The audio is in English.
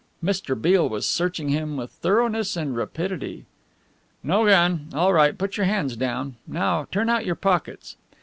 Mr. Beale was searching him with thoroughness and rapidity. "No gun, all right, put your hands down. Now turn out your pockets."